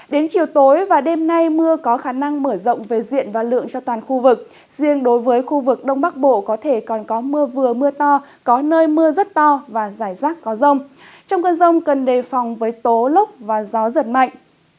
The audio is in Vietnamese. đến chiều tối và đêm nay mưa có khả năng mở rộng về diện và lượng cho toàn khu vực riêng đối với khu vực đông bắc bộ có thể còn có mưa vừa mưa to có nơi mưa rất to và rải rác có rông trong cơn rông cần đề phòng với tố lốc và gió giật mạnh